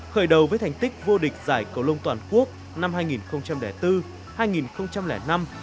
khởi đầu với thành tích vô địch giải cầu lông toàn quốc năm hai nghìn bốn hai nghìn năm